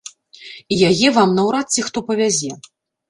І яе вам наўрад ці хто павязе.